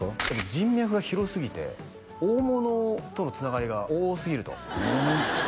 人脈が広すぎて大物とのつながりが多すぎると大物？